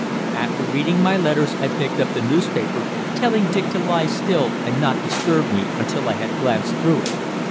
After reading my letters I picked up the newspaper, telling Dick to lie still and not disturb me until I had glanced through it.